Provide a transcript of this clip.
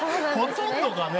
ほとんどかね？